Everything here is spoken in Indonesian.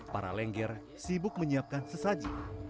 para lengger sibuk menyiapkan sesaji